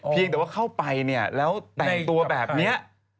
เพียงแต่ว่าเข้าไปเนี่ยแล้วแต่งตัวแบบนี้